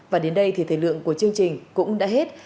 và đến đây thì thời lượng của chương trình cũng đã hết